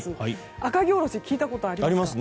赤城おろし聞いたことありますか。